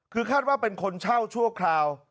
คือคาดว่าเป็นคนเช่าชั่วคราว